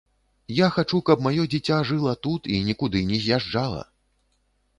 Я хачу, каб маё дзіця жыла тут і нікуды не з'язджала.